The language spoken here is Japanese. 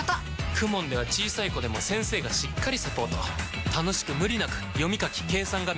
ＫＵＭＯＮ では小さい子でも先生がしっかりサポート楽しく無理なく読み書き計算が身につきます！